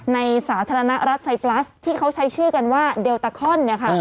ในสาธารณรัฐไซด์ปลัสที่เขาใช้ชื่อกันว่าเดลต้าคอน